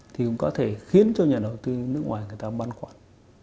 thì cũng có thể khiến cho nhà đầu tư nước ngoài người ta băn khoăn